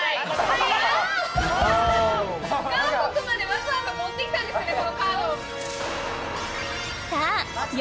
はい韓国までわざわざ持ってきたんですね